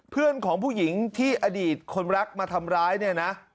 เพื่อนของผู้หญิงที่อดีตคนรักมาทำร้ายเนี่ยนะ